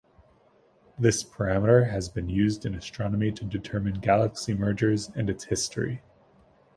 This parameter has been used in astronomy to determine galaxy mergers and its history.